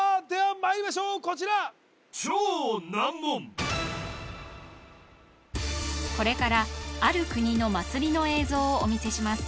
まいりましょうこちらこれからある国の祭りの映像をお見せします